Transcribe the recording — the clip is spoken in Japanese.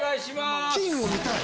金を見たい！